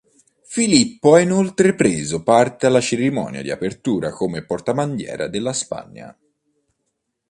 Filippo ha inoltre preso parte alla cerimonia di apertura come portabandiera della Spagna.